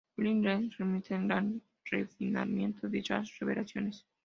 Wilder y Lehman revisten de gran refinamiento dichas revelaciones.